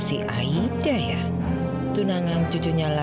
saya mau pelan pelan vapo yang kamu donate